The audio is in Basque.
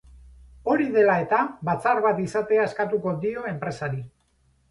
Hori dela eta, batzar bat izatea eskatu dio enpresari.